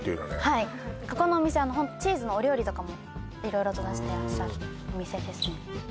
はいここのお店はチーズのお料理とかも色々と出してらっしゃるお店ですね